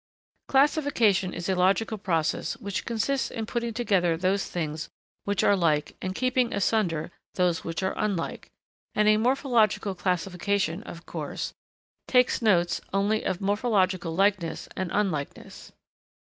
Classification is a logical process which consists in putting together those things which are like and keeping asunder those which are unlike; and a morphological classification, of course, takes notes only of morphological likeness and unlikeness.